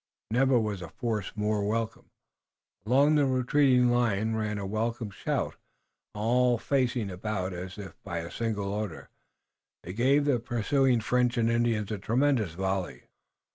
Never was a force more welcome. Along the retreating line ran a welcoming shout, and all facing about as if by a single order, they gave the pursuing French and Indians a tremendous volley.